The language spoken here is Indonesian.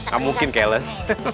gak mungkin keles